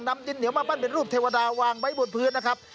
นำดินเหนียวมาปั้นเป็นรูปเทวดาวางไว้บนพื้นนะครับ